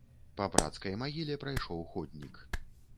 Па брацкай магіле прайшоў ходнік.